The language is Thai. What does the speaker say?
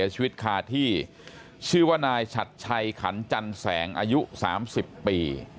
ชีวิตคาที่ชื่อว่านายชัดชัยขันจันแสงอายุ๓๐ปี